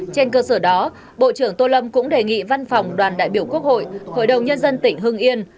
trên cơ sở đó bộ trưởng tô lâm cũng đề nghị văn phòng đoàn đại biểu quốc hội hội đồng nhân dân tỉnh hưng yên